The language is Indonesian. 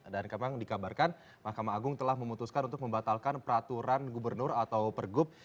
dan kemang dikabarkan mahkamah agung telah memutuskan untuk membatalkan peraturan gubernur atau pergub